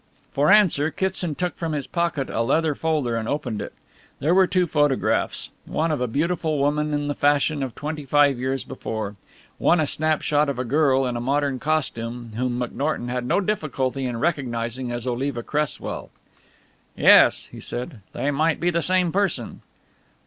For answer Kitson took from his pocket a leather folder and opened it. There were two photographs. One of a beautiful woman in the fashion of 25 years before; and one a snapshot of a girl in a modern costume, whom McNorton had no difficulty in recognizing as Oliva Cresswell. "Yes," he said, "they might be the same person."